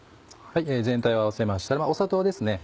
全体を合わせましたら砂糖ですね